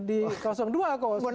di dua kok